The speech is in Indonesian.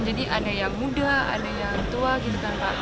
jadi ada yang muda ada yang tua gitu kan pak